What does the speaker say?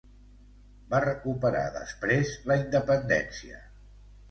Va recuperar després la independència.